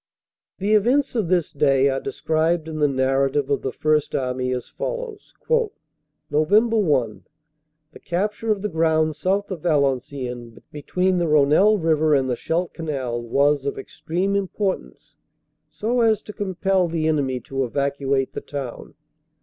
The events of this day are described in the narrative of the First Army as follows: "Nov. l The capture of the ground south of Valenciennes between the Rhonelle river and the Scheldt canal was of extreme importance so as to compel the enemy to evacuate the town.